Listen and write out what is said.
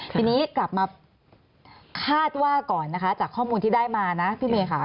ทีนี้กลับมาคาดว่าก่อนนะคะจากข้อมูลที่ได้มานะพี่เมย์ค่ะ